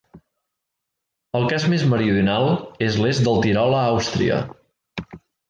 El cas més meridional és l'est del Tirol a Àustria.